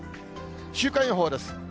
週間予報です。